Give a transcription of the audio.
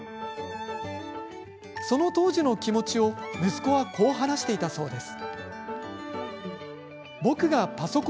その当時の気持ちを息子は、こう話していたそうです。